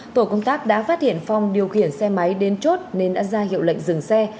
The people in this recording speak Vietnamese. tổ công tác đã phát hiện phong điều khiển xe máy đến chốt nên đã ra hiệu lệnh dừng xe